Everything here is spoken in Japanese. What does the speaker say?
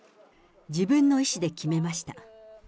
自分の意志で決めました。